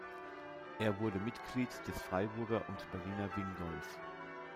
Er wurde Mitglied des Freiburger und Berliner Wingolf.